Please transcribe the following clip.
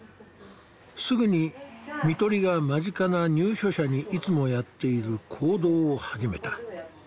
すぐに看取りが間近な入所者にいつもやっている行動を始めた。